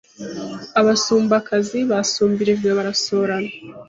Abasumbakazi basumbirijwe barasurana.